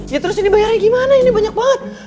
ya terus ini dibayarnya gimana ini banyak banget